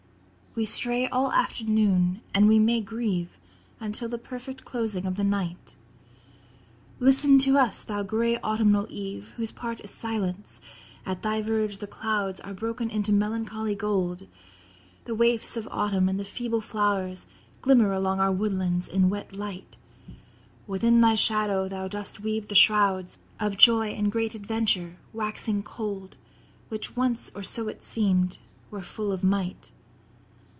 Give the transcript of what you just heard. We stray all afternoon, and we may grieve Until the perfect closing of the night. Listen to us, thou gray Autumnal Eve, Whose part is silence. At thy verge the clouds Are broken into melancholy gold; The waifs of Autumn and the feeble flow'rs Glimmer along our woodlands in wet light; Within thy shadow thou dost weave the shrouds Of joy and great adventure, waxing cold, Which once, or so it seemed, were full of might.